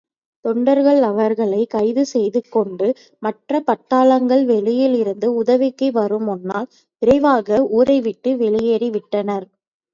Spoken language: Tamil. தொண்டர்கள் அவர்களைக் கைது செய்து கொண்டு மற்றப் பட்டாளங்கள் வெளியிலிருந்து உதவிக்கு வருமுன்னால், விரைவாக ஊரைவிட்டு வெளியேறி விட்டனர்.